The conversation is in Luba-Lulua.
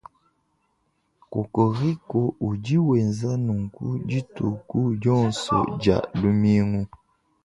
Kokoriko udi wenza nunku dituku dionso dia lumingu.